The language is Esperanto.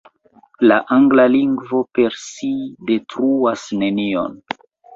La angla lingvo per si detruas nenion.